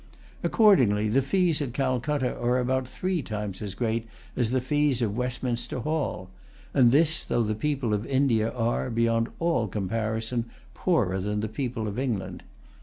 Accordingly, the fees at Calcutta are about three times as great as the fees of Westminster Hall; and this, though the people of India are, beyond all comparison, poorer than the people of England.